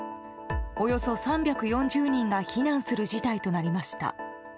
およそ３４０人が避難する事態となりました。